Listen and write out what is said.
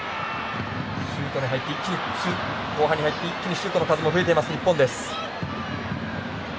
後半に入って一気にシュートの数も増えています日本です。